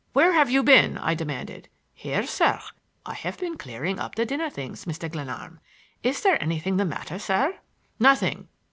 "Where have you been?" I demanded. "Here, sir; I have been clearing up the dinner things, Mr. Glenarm. Is there anything the matter, sir?" "Nothing."